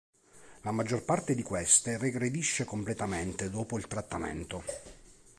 La maggior parte di queste regredisce completamente dopo il trattamento.